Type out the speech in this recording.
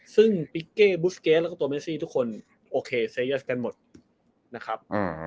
ซึ่งปิ๊กเก้บุสเกสแล้วก็ตัวเมซี่ทุกคนโอเคเซเยอร์สกันหมดนะครับ